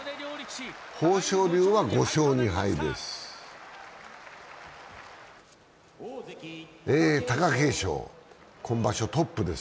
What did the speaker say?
豊昇龍は５勝２敗です。